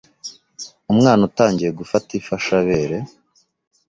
Umwana utangiye gufata ifashabere